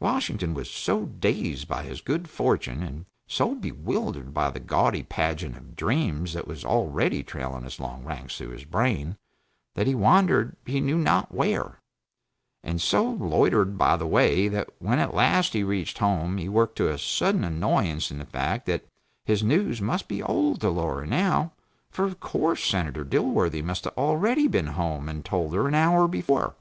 Washington was so dazed by his good fortune and so bewildered by the gaudy pageant of dreams that was already trailing its long ranks through his brain, that he wandered he knew not where, and so loitered by the way that when at last he reached home he woke to a sudden annoyance in the fact that his news must be old to Laura, now, for of course Senator Dilworthy must have already been home and told her an hour before.